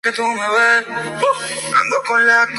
Habita en el paleártico: Eurasia y el Magreb.